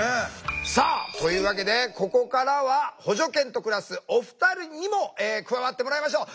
さあというわけでここからは補助犬と暮らすお二人にも加わってもらいましょう。